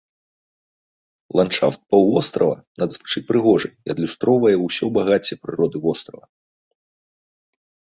Ландшафт паўвострава надзвычай прыгожы і адлюстроўвае ўсё багацце прыроды вострава.